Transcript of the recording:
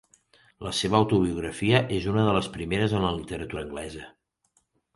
La seva autobiografia és una de les primeres en la literatura anglesa.